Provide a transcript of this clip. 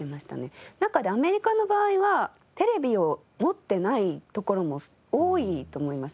アメリカの場合はテレビを持ってないところも多いと思いますね。